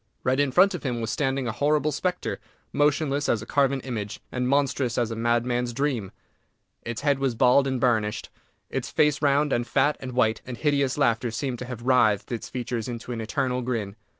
Right in front of him was standing a horrible spectre, motionless as a carven image, and monstrous as a madman's dream! Its head was bald and burnished; its face round, and fat, and white; and hideous laughter seemed to have writhed its features into an eternal grin.